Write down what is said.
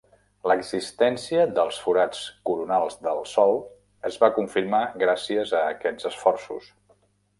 L'existència dels forats coronals del Sol es va confirmar gràcies a aquests esforços.